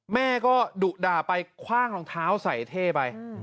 แม่ก็ดุด่าไปคว่างรองเท้าใส่เท่ไป